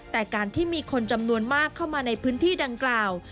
แต่การที่มีคนจำนวนมากเข้ามาในพื้นที่ดังกล่าว